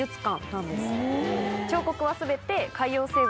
彫刻は全て。